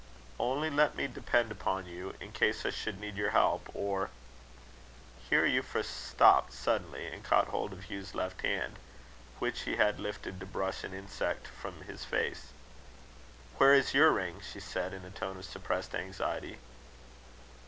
"Only let me depend upon you, in case I should need your help; or " Here Euphra stopped suddenly, and caught hold of Hugh's left hand, which he had lifted to brush an insect from his face. "Where is your ring?" she said, in a tone of suppressed anxiety.